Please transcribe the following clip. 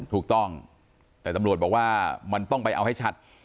ถูกต้องแต่ตำรวจบอกว่ามันต้องไปเอาให้ชัด